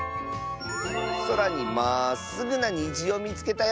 「そらにまっすぐなにじをみつけたよ！」。